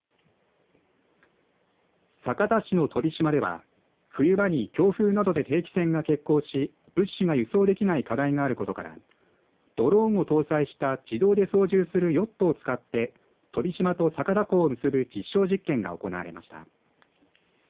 酒田市の飛島では冬場に強風などで定期船が欠航し物資が輸送できない課題があることからドローンを搭載した自動で操縦するヨットを使って飛島と酒田港を結ぶ実証実験が行われました。